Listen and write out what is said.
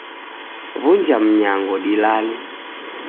W'unja mnyango dilale